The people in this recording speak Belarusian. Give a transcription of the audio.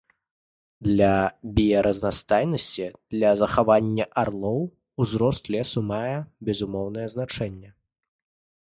Для біяразнастайнасці, для захавання арлоў узрост лесу мае безумоўнае значэнне.